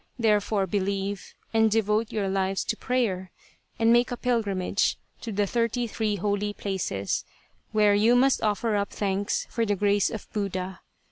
Therefore believe and devote your lives to prayer, and make a pilgrimage to the thirty three holy places, where you must offer up thanks for the grace of Buddha.